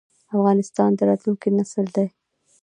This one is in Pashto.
افغانستان د راتلونکي نسل دی؟